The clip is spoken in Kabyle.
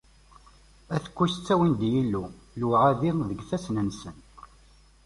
At Kuc ttawin-d i Yillu, lewɛadi deg yifassen-nsen.